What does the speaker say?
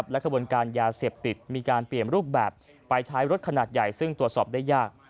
และขบวนการยาเสพติดมีการเปลี่ยนรูปแบบไปใช้รถขนาดใหญ่ซึ่งตรวจสอบได้ยาก